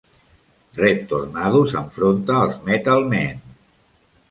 Red Tornado s'enfronta als Metal Men.